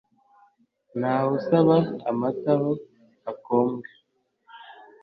Ntawe usaba amata aho akombwa